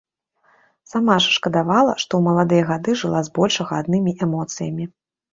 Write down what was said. Сама ж шкадавала, што ў маладыя гады жыла збольшага аднымі эмоцыямі.